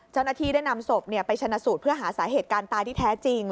เจ้าหน้าที่ได้นำศพไปชนะสูตรเพื่อหาสาเหตุการณ์ตายที่แท้จริง